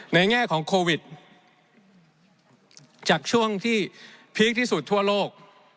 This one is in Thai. แง่ของโควิดจากช่วงที่พีคที่สุดทั่วโลก